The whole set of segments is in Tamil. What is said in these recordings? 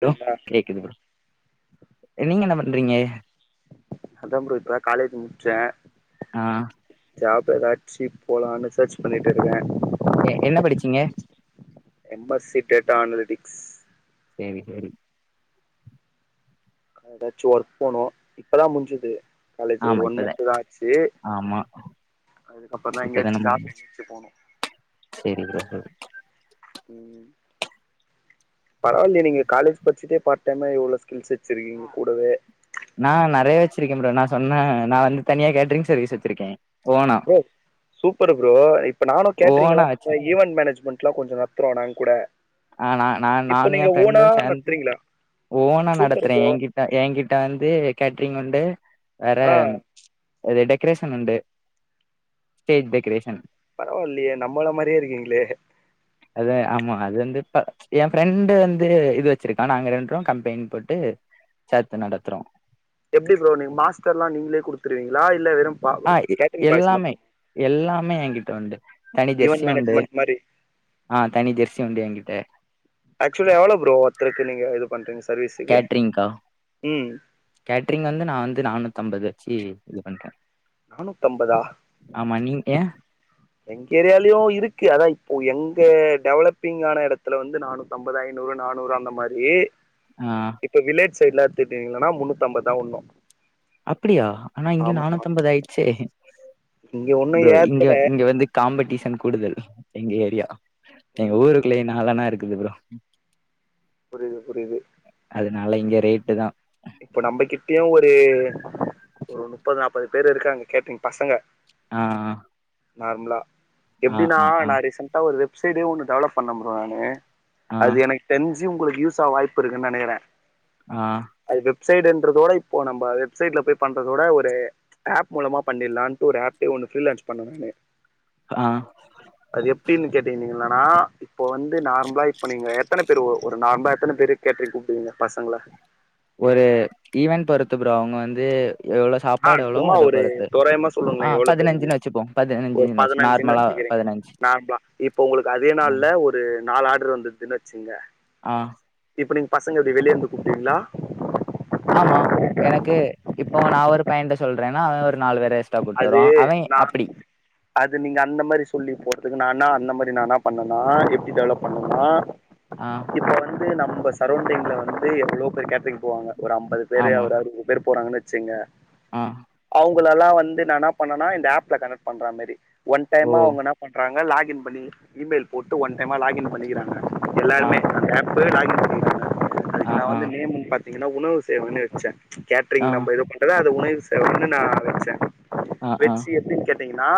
ஹலோ சரிங்களா கேக்குது ப்ரோ நீங்க என்ன பண்றீங்க அதா ப்ரோ இப்ப தா காலேஜ் முடிச்சே ஆ ஜாப் எதாச்சி போலான்னு சர்ச் பண்ணிட்டு இருக்க எ என்ன படிச்சீங்க M S C data analytics சேரி சேரி ஏதாச்சி ஒர்க் போனோ இப்பதா முஞ்சிது காலேஜி ஆமா ஒரு ஒன் இப்பதா மந்த் தா ஆச்சி ஆமா அதுக்கப்றோ தா இப்பதான எங்கயாச்சி ஜாப் முடிஞ்சிச்சு எங்கயாச்சி போனோ சேரி ப்ரோ ப்ரோ ம் பரவால்லையே நீங்க காலேஜ் பச்சிட்டே பார் டைமா இவ்ளோ ஸ்கில்ஸ் வெச்சிருக்கீங்க கூடவே நா நறைய வெச்சிருக்கே ப்ரோ நா சொன்னி நா வந்து தனியா கேட்ரிங் சர்வீஸ் வெச்சிருக்கே ப்ரோ சூப்பர் ப்ரோ இப்ப நானு கேட்டரிங்லா ஓனா இப்போ வச்சிரு ஈவென் மேனேஜ்மெண்ட் ட்லா கொஞ்சோ நடத்துறோ நாங்க கூட ஆ நா நான் இப்ப நானு எயா நீங்க ஓனா ஃப்ரெண்ட்டு சேந்து நடத்துறீங்களா ஓனா சூப்பர் நடத்துறே ப்ரோ என்கிட்ட என்கிட்ட வந்து கேட்ரிங் உண்டு வேற ஆ அது டெக்கரேஷன் உண்டு ஸ்டேஜ் டெக்கரேஷன் பரவால்லையே நம்மள மாதிரியே இருக்கீங்ளே அதா ஆமா அது வந்து க எயா ஃப்ரெண்டு வந்து இது வெச்சிருக்கா நாங்க ரெண்ரோ கம்பைன் போட்டு சேத்து நடத்துறோ எப்டி ப்ரோ நீ மாஸ்டர்லா நீங்ளே குடுத்துருவீங்ளா இல்ல வெறும் ஆ எல்லாமே எல்லாமே என்கிட்ட உண்டு தனி ஈவென்ட் ஜெர்சி உண்டு மேனேஜ்மெண்ட் மாரி ஆ தனி ஜெர்சி உண்டு எயா கிட்ட ஆக்சுவலா எவ்ளோ ப்ரோ ஒத்தருக்கு நீங்க இது பண்றீங்க சர்வீஸ்சுக்கு ம் கேட்டரிங் வந்து நா வந்து நானூத்தி ஐம்பது வெச்சி இது பண்றே நானுத் தம்பதா ஆமா நீங்க எங்க ஏரியாலயு இருக்கு அதா இப்போ எங்க டெவலப்பிங் ஆன எடத்துல வந்து நானு அம்பது ஐநூறு நானூறு அந்த மாரி ஆ இப்ப வில்லேஜ் சைடுலா எடுத்துட்டீங்கன்னா முன்னூத்த ம்பதுதா உட்னு அப்படியா ஆனா இங்க நானூத்தம்பது ஆயிட்ச்சே இங்க ஒன்னு ப்ரோ இங்க ஏத்தல இங்க வந்து காம்படீஷன் கூடுதல் எங்க ஏரியா எங்க ம் ஊருக்குள்ளயே நாலனா இருக்குது ப்ரோ புரியுது புரியுது அதனால இங்க ரேட்டு தா இப்ப நம்மகிட்டயு ஒரு ஒரு நுப்பது நாப்பது பேர் இருக்காங்க கேட்ரிங் பசங்க ஆ நார்மலா ஆ எப்டின்னா ஆ ஆ நா ரீசன்டா ஒரு வெப்சைடே ஒண்ணு டெவலப் பண்ண ப்ரோ நானு ஆ அது எனக்கு தெரிஞ்சு உங்களுக்கு யூசாவ வாய்ப்பு இருக்குன்னு நெனைக்கிறே ஆ அது வெப்சைடுன்றதோட இப்போ நம்ப வெப்சைட்ல போய் பண்றதோட ஒரு ஆப் மூலமா பண்ணிட்லான்ட்டு ஒரு ஆப்பே ஒன்னு ஃப்ரீலான்ச் பண்ணே நானு ஆ அது எப்டின்னு கேட்டந்தீங்கன்னனா இப்ப வந்து நார்மலா இப்ப நீங்க எத்தன பேரு ஒரு நார்மலா எத்தனை பேரு கேட்ரிங் கூப்டுவீங்க பசங்கள ஒரு ஈவென்ட் பொறுத்து ப்ரோ அவுங்க வந்து எவ்ளோ ஆ சாப்பாடு எவ்வளோ சும்மா அத ஒரு பொறுத்து தோராயமா ஆ சொல்லுங்களே எவ்ளோ பேருன்னு பதனஞ்சுன்னு வச்சுப்போ பதுனஞ்சு வச்சு நார்மலா பதினஞ்சு நார்ம்லா இப்ப உங்களுக்கு அதே நாள்ல ஒரு நாலு ஆர்ட்ரு வந்ததுன்னு வச்சுங்க ஆ இப்போ நீங்க பசங்க எப்டி வெளியேந்து கூப்டுவிங்ளா ஆமா எனக்கு இப்போ நா ஒரு பையன்ட சொல்றேன்னா அவ ஒரு நாலு பேரு ட்டா கூட்டு அது வருவா அவ நா அப்பிடி அது நீங்க அந்த மாரி சொல்லி போறதுக்கு நானா அந்த மாரி நானா பண்ணுவன்னா எப்டி டெவலப் பண்ணுவேனா ஆ இப்ப வந்து நம்ம சரௌண்டிங்ல வந்து எவ்ளோ பேர் கேட்ரிங் போவாங்க ஒரு அம்பது பேர் ஆமா ஒரு அறுவது பேர் போறாங்கன்னு வச்சிங்க ஆ அவுங்கள எல்லா வந்து நா என்னா பண்ணேனா இந்த ஆப்ல கனெக்ட் பண்ற மாரி ஒன் ஓ டைமா அவுங்க என்னா பண்றாங்க லாகின் பண்ணி இ மெயில் போட்டு ஒன் டைமா லாகின் பண்ணிக்கிறாங்க ஆ எல்லாருமே அந்த ஆப்பு லாகின் பண்ணிருங்க ஆ அதுக்கு நா ஆ வந்து நேமு பாத்திங்கன்னா உணவு சேவன்னு வச்சே கேட்ரிங் ஆ நம்ப எதோ பண்றத அது உணவு சேவன்னு நா வச்சே ஆ ஆ வெச்சி எப்டின் கேட்டீங்கன்னா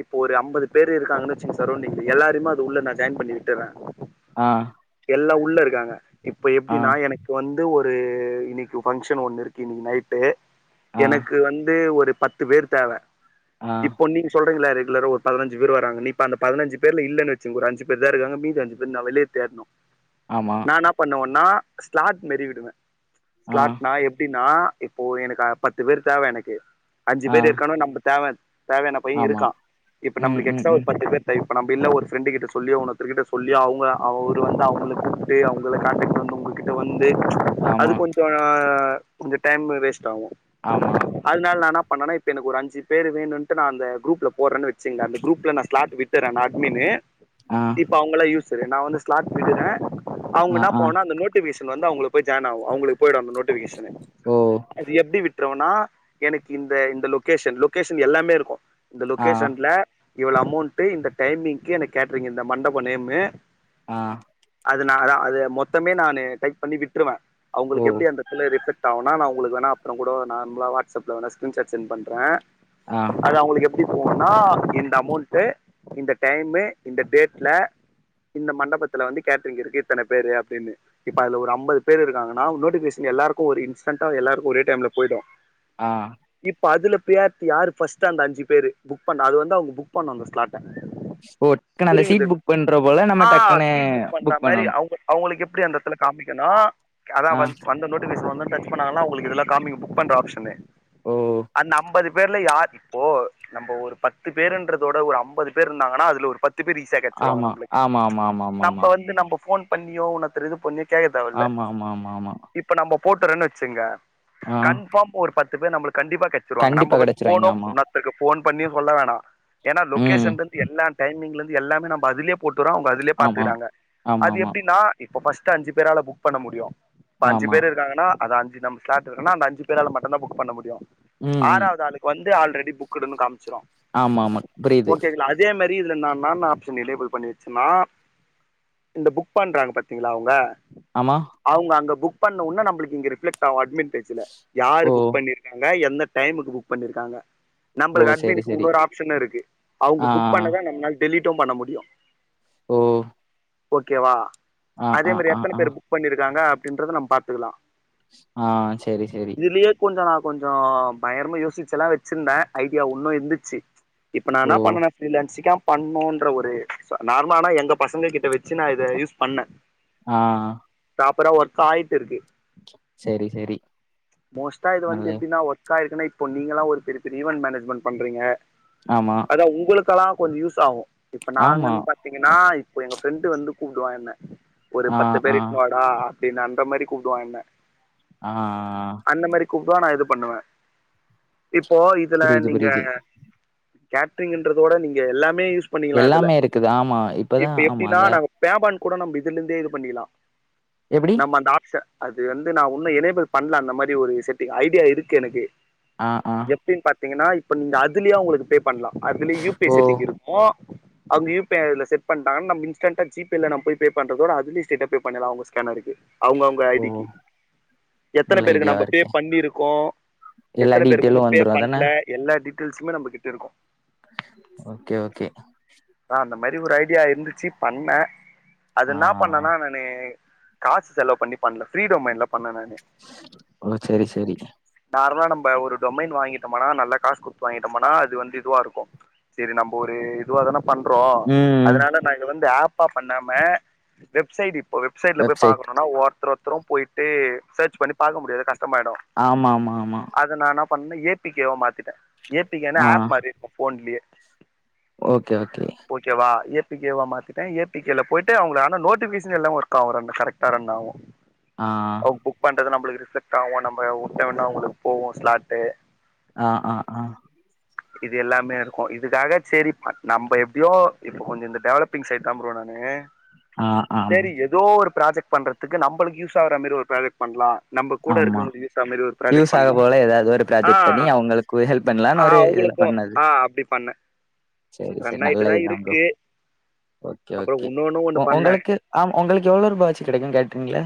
இப் இப்ப ஒரு அம்பது பேரு இருக்காங்கன்னு வச்சுங்க சரௌண்டிங்ல எல்லாருமே அது உள்ள நான் ஜாயின் பண்ணி விட்டுறே ஆ எல்லா உள்ள இருக்காங்க இப்ப ஆ எப்டின்னா எனக் இப்ப வந்து ஒரு இன்னைக்கு பங்க்ஷன் ஒண்ணு இருக்கு இன்னைக்கி நைட்டு ஆ எனக்கு வந்து ஒரு பத்து பேர் தேவ ஆ இப்போ நீங் சொல்றீங்கள ரெகுலர் ஒரு பதின்சு பேர் வராங்கந்த இப்ப பதினஞ்சு பேர்ல இல்லன்னு வச்சிகொங்க ஒரு அஞ்சு பேர்தா இருக்காங்க மீதி அஞ்சு பேர் நா வெளிய தேட்னு னு ஆமா ப்பண்ணுவன்னா ஸ்லாட் மேறி விடுவே ஆ ஸ்லாட்னா எப்டின்னா இப்போ எனக்கா பத்து பேர் தேவ எனக்கு அஞ்சு ஆ பேர் இருக்காணோ நம்ப தேவ தேவையான பைய ஆமா இருக்கா இப்ப ம் நம்புளுக்கு ம் எக்ஸ்ட்ரா ஒரு ம் பத்து பேர் இப்ப நம்ம இல்ல ஒரு ஃப்ரெண்டு கிட்ட சொல்லி உனொருத்தர் கிட்ட சொல்லி அவுங்க அவரு வந்து அவுங்கள கூப் டு அவங்கள காண்டெக்ட் பண்ணி உங்ககிட்ட வந்து அது ஆமா கொஞ்ச கொஞ்ச டைமு வேஸ்ட் ஆவு ஆமா அதனால நா ன்னா பண்ணா இப் ப எனக்கு ஒரு அஞ்சு பேர் வேணுன்னுட்டு நா அந்த குரூப்ல போறன்னு வெச்சுங்கே அந்த குரூப்ல நா ஸ்லாட் விட்டுற்றே நா அட்மின்னு ஆ இப்ப அவங்களா யூஸரு நா வந்து ஸ்லாட் விடுறே அவுங்க ஆ என் ஆ போனுனா அந்த நோட் டிபிகேஷன் வந்து அவுங்ளுக்குப் போய்யி ஜாயின் ஆவு அவங்களுக்கு போயிடு அந்த நோட்டிபிகேஷன் ஓ அது எப்டி விட்டுறுவன்னா எனுக்கு இந்த இந்த லொகேஷன் லொகேஷன் எல்லாமே இருக்கு இந்த ஆ லொகேஷன்ல இவ்வளோ அமௌண்ட்டு இந்த டைமிங்கு எனக்கு கேட்டரிங்கு இந்த மண்டப நேமு ஆ அது நா அதா அதது மொத்தமே நா டைப் பண்ணி விட்டுருவே ஓ அவுங்களுக்கு எப்டி அந்த ரிப்ளேக்ட் ஆவுனா நா உங்ளுக்கு வேனா அப்புறோ கூட நார்மலா வாட்அப்ல வேனா ஸ்கரீன்ஷாட் சென்ட்பண்றே ஆ அது அவுங்களுக்கு எப் டி போவுனா இந்த அமௌண்ட்டு இந்த டைமு இந்த டேட்ல இந்த மண்டபத்துல வந்து கேட்டறிங் இருக்கு இத்தன பேரு அப்டின்னு இப்ப அதுல ஒரு ஐம்பது பேரு இருக்காங்கன்னா நோட்டிபிகேன் எல்லாருக்கு ஒரு இன்ஸ்டன்ண்டா எல்லாருக்கு ஒரே டைம்ல போய்டு ஆ ப்ப அதுல ப்பியாரிட்டி யாரு ஃபஸ்ட்டு அந்த அஞ்சு பேரு புக் பண்ண அது வந்து அவுங்க புக் பண்ணோ அந்த ஸ்லாட் ல ஓ டக்குனு அந்த சீட் புரியுங்குதது புக் பண்ற போல நம்ம ஆ டக்குன்னு சீட் புக் பண்ற மாரி அவுங்க அவுங்களுக்கு எப்டி அந்த எத்துல காமிக்கணா அதா ஆ வந் வந்த நோட்டிபிகேஷன் வந்தொனே டச் பண்ணாங்களா உங்குளுக்கு இதெல்லா காமிக்கு புக் பண்ற ஆப்ஷனு ஓ அந்த ஐம்பது பேர்ல யார் இப்போ நம்ம ஒரு பத்து பேருன்றதோட ஒரு ஐம்பது பேர் இருந்தாங்கன்னா அதுல ஒரு பத்து பேரு ஈசியா கெச்சருவாங்க ஆமா நம்பளுக்கு ஆமா ஆமா ஆமா ஆமா நம்ப வந்து நம்ப போன் பண்ணியோ உனொத்தர இது பண்ணியோ கேக்க தேவல்ல ஆமா ஆமா ஆமா ஆமா ஆமா இப்ப நம்போ போட்டுறொன்னு வெச்சுங்க ஆ கன்பார்ம் ஒரு பத்து பேர் நம்புளுக்கு கண்டிப்பா கெச்சிருவாங்க கண்டிப்பா நம்ம வந்து கெடச்சிருவாய்ங்க போனோம் ஆமா உன்னொர் தருக்கு போன் பண்ணி சொல்ல வேணா ஏனா ம் லொகேஷன்ல இருந்து எல்லா டைமிங்லருந்து எல்லாமே நம்ப அதிலே போட்டுகுறோ அவுங்க அதுல்யே ஆமா பாத்துக்கறாங்க ஆமா அது ஆமா எப்டின்னா இப்ப ஃபஸ்ட்டு அஞ்சு பேரால புக் பண்ண முடியு இப்பஞ்சு ஆமா பேரு இருக்காங்கன்னா அத அஞ்சு நம் ஸ்லாட் இருக்குன்னா அந்த அஞ்சு பேரால மட்டுந்தா புக் பண்ண முடியு ம் ம் ஆறாவது ஆளுக்கு வந்து ஆல்ரெடி புக்டுன்னு காமிச்சிரு ஆமா ஆமா புரியுது இதே மாரி இதுல நான ன்னா ஆப்ஷன் எனேபிள் பண்ணிருக்கன்னா இந்த புக் பண்றாங்க பாத்தீங்களா அவுங்க ஆமா அவுங்க அங்க புக் பண்ணவொன்ன நம்ளுக்கு இங்க ரிப்லெக்ட் ஆவு அட்மின்பேஜ்ஜில யாரு ஓ புக் பண்ணிருக்காங்க எந்த டைமுக்கு புக் பண்ணிருக்காங்க ஓ நம்பளுக்கு செரி செரி அட்மினக்குன்னொரு ஆப்ஷன் இருக்கு அவங்க ஆ புக் பண்ணதா நம்ளாள டெலிட்டு பண்ண முடியு ஓ ஓகேவா ஆ அதே ஆ மாரி ஆ எத்தன ஆ பேர் புக் பண்ணிருக்காங்க அப்டின்றத நம்ம பாத்துக்கலா ஆ சரி சரி நீயே கொஞ்சோ நா கொஞ்சோ பயங்கரமா யோசிச்சல்லா வச்சிருந்தே ஐடியா ஒன்னும் இருந்துச்சு இப்ப நா ஓ என்னா பண்ணனோ இது லக்ஷிகா பண்ணோன்ற ஒரு இது நார்மலனா எங்க பசங்க கிட்ட வச்சு நா இத யூஸ் பண்ணே அ ஆ ப்ராப்ரா ஒர்க் ஆயிட்டு இருக்கு செரி செரி மோஸ்ட்டா இது வந்து நல்ல எப்பிடனா ஒர்க் ஆயிருக்குன்னா இப்ப நீங்களா ஒரு பெரிய பெரிய ஈவெண்ட் மேனேஜ்மெண்ட் பண்றீங்க ஆமா அதா உங்களுக்கு எல்லா கொஞ்சே யூஸ் ஆவூம் இப்ப நாங் ஆமா வந் பாத் த்தீங்கன்னா இப்போ எங்க ஃப்ரெண்டு் வந்து கூப்பிடுவா என்ன ஒரு ஆ பத்து ஆ பேர் இட்டுனுவா அ ஆ அப்படின்னு அந்த மாதிரி கூப்படுவான் என்ன அ ஆ அந்த மாதிரி கூப்டுவா நா இது பண்ணுவே இப்போ இதுல புரியுது நீங்க புரியுது கேட்ரிங்ன்றதோட நீங்க எல்லாமே யூஸ் பண்ணிக்கலா இதுல எல்லாமே இருக்குது ஆமா இப்பதா இப்ப ஆமா எப்படின்னா அத நாங்க பே பான் கூட நம்ம இதுல இருந்தே இது பண்ணிக்லா எப்டி நம்ம அந்த ஆப்ஷன் அது வந்து நான் உன்னும் என்ஏபிள் பண்ணல அந்த மாதிரி ஒரு செட்டு ஐடியா இருக்கு எனக்கு அ அ எப்டீன் பாத்தீங்கன்னா இப்ப நீங்க அதுலயே உங்களுக்கு பே பண்ணலாம் அதுலயே யூ பி ஐ ஓ செட்டிங் இருக்கோ அவங்க யூ பி ஐ அதுல செட் பண்டாங்கன்ன நம் இன்ஸ்டன்ண்டா ஜிபேல நம் போய் பே பண்றதோட அதுல ஸ்ட்ரைட்டா போ பண்ணிலா அவங்க ஸ்கேனருக்கு அவுங்க அவுங்க ஐ ஓ டிக்கு எத்தனை நல்ல பேருக்கு நம்ம ஐடியாவா பே இருக்கே பண்ணியிருக்கோ எல்லா எத்தனை பேருக்கு டீட்டெயிலு ஒன்னும் பே வந்துரு அதான பண்ணல எல்லா டீடெயல்ஸுமே நம்ம கிட்ட இருக்கோ ஓகே ஓகே நா அந்த மாதிரி ஒரு ஐடியா இருந்துச்சு பண்ணோ அது ஆ ன்னா பண்ணன்னா னோ காசு செலவு பண்ணி பண்ணல ஃபிரீ டொமின்லா பண்ணோ நானு ஓ செரி செரி நார்மலா நம்ம ஒரு டொமைன் வாங்கிட்டோம்னா நல்லா காசு கொடுத்து வாங்கிட்டோம்னா அது வந்து இதுவா இருக்கோ சரி நம்ம ஒரு இதுவா தான பண்றோ ம் அதனால நாங்க வந்து ஆப்பா பண்ணாம வெப்சைட் இப் இப்ப வெப்சைட்ல போய் வெப்சைட் பாக்கணும்னா ஒருத்தருதும் போயிட்டு சர்ச் பண்ணி பா்க முடியாது கஷ்கடமாயிடும் ஆமா ஆமா ஆமா அத நான் என்ன பண்ணே ஏ பி கேவா மாத்திட்டேன் ஏ பி கேனா ஆ ஆப் மாதிரி இருக்கூ ஃபோன்லியே ஓகே ஓகே ஓகேவா ஏ பி கேவா மாத்திட்டே ஏ பி கே போய்ட்டு அவங்கள ஆனா நோட்டிபிகேஷன் எல்லா ஒர்க் ஆகும் ரன் கரெக்டா ரன் ஆகும் [inaudible] ஆ அவங்க புக் பண்றது நம்மளுக்கு ரிஃலபக்ட் ஆகும் நம்ம விட்டம்னா அவங்களுக்கு போவோம் ஸ்லாட்டு அ அ அ இது எல்லாமே இருக்கோ இதுக்காக சரிப்பா நம்ப எப்படியோ இப்ப கொஞ்சே இந்த டெவலப் பிங் சைட் தா ப்ரோ நானு ஆ ஆம் சரி ஏதோ ஒரு ப்ராஜெக்ட் பண்றதுக்கு நம்மளுக்கு யூஸ் ஆகுற மாரி ஒரு ப்ராஜெக்ட் பண்ணலாம் நம்ம கூட ஆமா இருக்கவங்களுக்கு யூசா மாறி ஒரு ப்ராஜெக்ட் யூஸ் ஆக பண்ணலாம் போல ஏதாவது ஒரு ஆ ப்ராஜெக்ட் பண்ணி அவங்களுக்கு ஹெல்ப் பண்ணலான்னு ஒரு இதுல அவுங்களுக் பே பண்ணது ஆ அப்டி பண்ணே செரி செரி நல்ல இதுதான் ப்ரோ ஓகே அப்புறம் ஓகே இன்னொன்னு ஒன்னு உ பண்ணேன் உங்களுக்கு ஆமா உங்களுக்கு எவ்ளோ ரூபாவாச்சி கெடைக்குன்னு கேட்டீங்கல்ல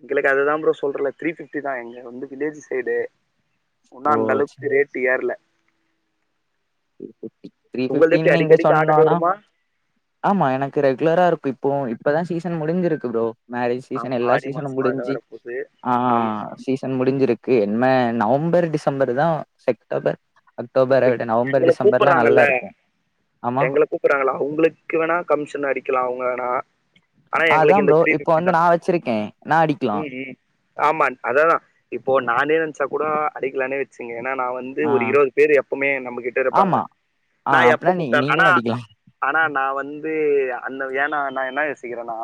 எங்களுக்கு அதுதான் ப்ரோ சொல்றல்ல த்ரீ ஃபிஃப்டிதான் எங்க வந்து வில்லேஜ் சைடு ஒன்னு ஓ அந்த த்ரீ அளவுக்கு ரேட்டு ஏர்ல த்ரீ ஃபிஃப்டி த்ரீ உங்கள்து எப்டி ஃபிஃப்டின்னு இங்க அடிக்கடிக்கு ஆர்டர் சொன்னான்னா வருமா ஆமா எனக்கு ரெகுலரா இருக்கு இப்போ இப்பதான் சீசன் முடிஞ்சிருக்கு ப்ரோ மேரேஜ் சீசன் ஆமா எல்லா ஆடி சீசனும் மாசோ வேற முடிஞ்சு வரப்போது ஆ ஆமா ஆமா சீ சன் முடிஞ்சிருக்கு என்ன நவம்பர் டிசம்பர்தான் செக்டோபர் அக்டோபர விட நவம்பர் கூப்படுறாங்கல்ல எங்களை டிசம்பர்லா நல்லா கூப்பறாங்கல்ல இருக்கு ஆமா எங்கள கூப்பறாங்கல்ல அவுங்களுக்கு வேணா கமிஷன் அடிக்கலா அவுங்க வேணா ஆனா அதா எங்களுக்கு இந்த ப்ரோ த்ரீ இப்போ வந்து ஃபிஃப்டிதான் நா வச்சிருக்கே நா அடிக்கலா ம் ம் ஆமா அதாதான் இப்போ நானே நெனச்சா கூட அடிக்கலானே வெச்சுகோங்க ஏனா நா வந்து ஆ ஒரு இருவது பேரு எப்புமே நம்மகிட்ட இருப்பாங்க ஆமா ஆ நா எப்ப அப்பனா நீ கூப்டாலு ஆனா நீங்களு அடிக்கலா ஆனா நா வந்து அந்த ஏனா நா என்ன யோசிக்கறனா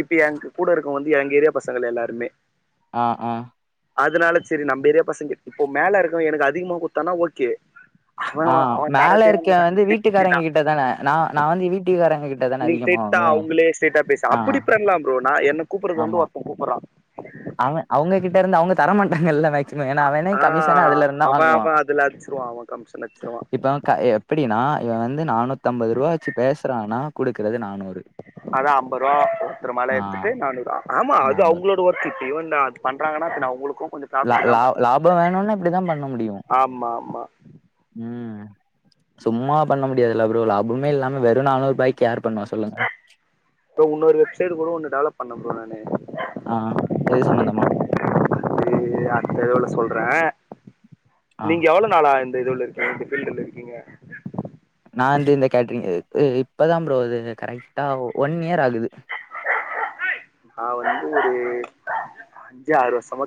இப்ப எனக்கு கூட இருக்கவங்க வந்து எங்க ஏரியா பசங்கல்லா எல்லாருமே ஆ ஆ அதனால செரி நம்ப ஏரியா பசங்க இப்போ மேல இருக்கறவன் எனக்கு அதிகமா குடுத்தானா ஓகே ஆ அவன் அவன் மேல தரதே நம்மளுக்கு இருக்கவன் அந்த வந்து த்ரீ ஃபிஃப்டி வீட்டுக்காரங்க தான் கிட்டதான நா நா வந்து வீட்டுக்காரங்க தான நீங்க அதிகமா ஸ்ட்ரைட்டா வாங்குவே அவுங்ளே ஸ்ட்ரைட்டா பேச ஆ அப்டி பண்லாம் ப்ரோ என்ன கூப்பர்றதுக்கு வந்து ஒருத்தன் கூப்பறான் அவன் அவுங்ககிட்ட இருந்து அவுங்க தரமாட்டாங்கல்ல ச்சமே ஏனா அவனே ஆ கமிஷன் அதுல இருந்துதான் அவன் வாங்குவின் அவன் அதுல அடிச்சிருவான் அவன் கமிஷன் அடிச்சிருவான் இப்ப க எப்டினா இவன் வந்து நானூத்தம்பது ரூபா வெச்சு பேசறானா குடுக்கறது நானூறு அதான் அம்பது ரூபா ஒருத்தரு மேல ஆ எடுத்துட்டு நானூறு ரூபா ஆமா அது நானூறு அவுங்களோ ட்ட ஒருத்தி இப்ப இவன்தான் பண்றாங்கன்னா பின்ன அவுங்களுக்கு கொஞ்சோ ல லா லாபோ வேணுனா இப்படிதான் பண்ண முடியு ஆமா ஆமா ம் சும்மா பண்ண முடியாதில்ல ப்ரோ லாபமே இல்லாம வெறு நானூறு பைக் யார் பண்ணுவா சொல்லுங்க ப்ரோ இன்னொரு வெப்சைட் கூட ஒன்னு டெவலப் பண்ணன் ப்ரோ நானு ஆ எது சம்பந்தமா அது அடுத்த தடவ சொல்ற ஆ நீங்க எவ்ளோ நாளா இந்த இதுவுல இருக்கீங்க இந்த ஃபீல்டுல இருக்கீங்க நா வந்து இந்த கேட்டரிங் இப்பதான் ப்ரோ அது கரெக்டா ஒன் இயர் ஆகுது நா வந்து ஒரு அஞ்சு ஆறு வருஷமா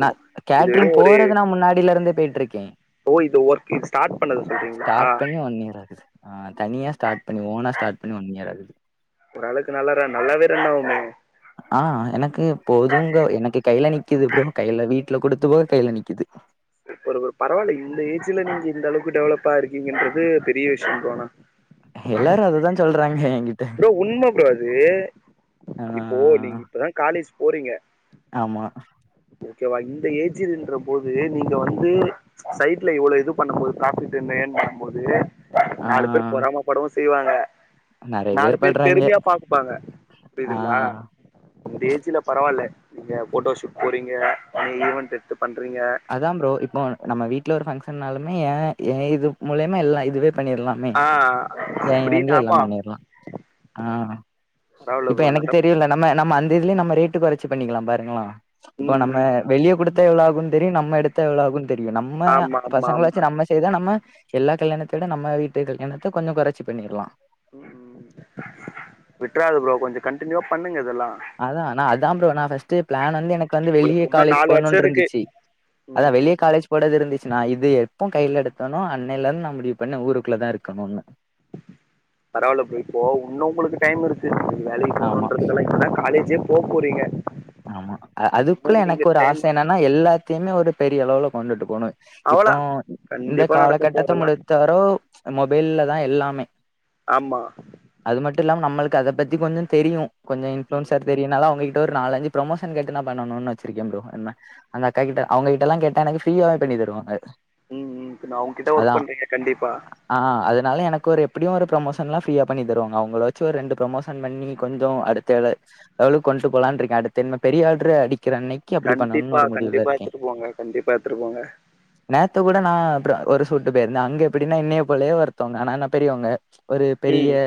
நா கேட்ரிங் போறது நா முன்னாடில இருந்தே போயிட்டு இருக்கேன் ஓ இது ஒர்க் ஸ்டார்ட் பண்ணது சொல்றீங்ளா ஸ்டார்ட் பண்ணி ஒன் இயர் ஆகுது ஆ தனியா ஸ்டார்ட் பண்ணி ஓனா ஸ்டார்ட் பண்ணி ஒன் இயர் ஆகுது ஒரளவுக்கு நல்லா நல்லாவே ரன் ஆகுமே ஆ எனக்கு போதுங்க எனக்கு கையில நிக்குது ப்ரோ கையில வீட்ல குடுத்து போ கையில நிக்குது ஒரு ஒரு பரவாயில்ல இந்த ஏஜ்ல நீங்க இந்த அளவுக்கு டெவலப்பா இருக்கீங்கன்றது பெரிய விஷ்யம் ப்ரோ ஆனா எல்லாரு அதான் சொல்றாங்க எங் ப்ரோ உண்ம ப்ரோ அது ஆ இப்போ நீங்க இப்பதான் காலேஜ் போறீங்க ஆமா ஓகேவா இந்த ஏஜில்ன்ற போது நீங்க வந்து சைட்ல இவ்ளோ இது பண்ணும்போது ப்ராஃபிட் என்ன ஏன் பண்ணும்போது ஆ நாலு பேர் பொறாம படவு செய்வாங்க நெறைய நாலு பேர் படுறாய்ங்க பெருமையா பாக்குப்பாங்க ஆ புரியுதுங்களா இந்த ஏஜ்ல பரவாயில்லா நீங்க போட்டோஷூட் போறீங்க ஈவென்ட் எடுத்து பண்றீங்க அதான் ப்ரோ இப்போ நம்ம வீட்ல ஒரு ஃபங்க்ஷன்நாலுமே ஏ ஏன் இது மூலயமா எல்லாம் இதுவுமே பண்ணிடலாம் ம் ஆ என் அப்டின்னு இவெண்டலயே ஆமா எல்லாம் பண்ணிரலாம் ஆ பரவால்ல இப்ப ப்ரோ எனக்கு நல்லா தெரியுலா நம்ம நம்ம அந்த இதுல நம்ம ரேட்டு குறச்சி பண்ணிக்கலாம் பாருங்களாம் இப்போ ம் நம்ம ம் வெளியே கொடுத்த எவ்ளோ ஆகுன் தெரியும் நம்ம எடுத்தா எவ்வளவு அகும் தெரியும் நம்ம ஆமா ஆமா ஆமா பசங்களாச்சு நம்ம செய்தா நம்ம எல்லா கல்யாணத்த விட நம்ம வீட்டு கல்யாணத்த கொஞ்ஜோம் குறச்சி பண்ணிடலாம் ம் விட்றுத ஃபரோ கொஞ்ஜோம் கண்டடினியூவா பண்ணுங்க இதெல்லாம் அதான் நா அதான் ஃபரோ நான் பஸ்ட்டு பிளான் வந்து எனக்கு வந்து உங்களுக்கு வெளியே உன்னு காலேஜ் நாலு வருஷோ போண்ணும்ன்னனு இருக்கு இருந்துச்சு ம் அதான் வெளிய ம் காலேஜ் கூடது இருந்துச்சுனா இது எப்போ கையில எடுத்தனோ அன்னையில் இருந்து நா முடிவு பண்ணன் நான் ஊருக்குள்ள தான் இருக்கணும்னு [inaudible] பரவாயில்லா ஃப்ரோ இன்னும் உங்களுக்கு டைம் இருக்கு வேலைக்கு ஆமா போகணுன்றதுெல்லாம் இப்போதா காலேஜே போப்போறிங்க ஆமா அதுக்குள்ள எனக்கு ஒரு ஆச என்னன்னா எல்லாத்தயுமே ஒரு பெரிய அளவுலா கொண்டுட்டு போணோம் இப்போ அவ்ளோ இந்த கண்டிப்பா நடக்கும் ப்ரோ காலகட்டத்த அதெல்லா முலத்தவரோ மொபைல்லா தான் எல்லாமே ஆமா அது மட்டும் இல்லாமா நம்மளுக்கு அத பத்தி கொஞ்ஜோம் தெரியும் கொஞ்ஜோம் ம் இன்ஃப்ளுயன்சர் தெரியும்னாலா அவங்ககிட்ட ஒரு நாலஞ்சு ப்ரோமோஷன் கேட்டு நான் பண்ணனும்னு வச்சிருக்கேன் ஃப்ரோ என்ன அந்த அக்கா கிட்ட அவங்கிட்ட எல்லாம் கேட்டா எனக்கு ஃபிரீயாவே பண்ணி தருவாங்க ம் ம் இப்ப அவுங்ககிட்ட ஒர்க் அதா பண்றீங்க கண்டிப்பா ஆ அதனாலா எனக்கு ஒரு எப்டியும் ஒரு ப்ரோமோஷன்லாம் ஃப்பிரீயா பண்ணி தருவாங்க அவங்களளை வச்சு ஒரு ரெண்டு ப்ரோமோஷன் பண்ணி கொஞ்ஜோம் அ தத்து ஒரளவுக்கு கொண்டு போலான் இருக்க அடுத்த என்ன பெரிய ஆடருஅடிக்கிற அன்னைக்கு அப்படி பண்ணணும்னு கண்டிப்பா ஒரு முடிவுல கண்டிப்பா எடுத்துட்டு போங்க கண்டிப்பா எடுத்துட்டுப்போங்க நேத்த கூட நான் அறம் ஒரு சூட்டு போயிருந்தேன் அங்க எப்டின்னா என்னைய போலயே ஒருத்தவங்க ஆனா நா பெரியவங்க ஒரு பெரிய ம்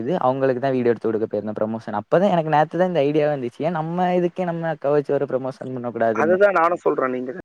இது அவுங்களுக்கு தான் வீடியோ எடுத்து கொடுக்க போய்ருந்தேன் ப்ரோமோஷன் அப்பதான் எனக்கு நேத்து தான் அந்த ஐடியாவே வந்துச்சு ஏன் நம்ப நம்ம இதுக்க நம்ம அக்கா வச்சு ஒரு ப்ரோமோஷன்ணும் அதுதான் நானும் சொல்றேன் நீங்க